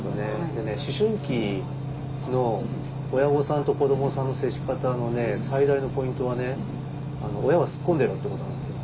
でね思春期の親御さんと子どもさんの接し方のね最大のポイントはね「親はすっこんでろ」っていうことなんですよ。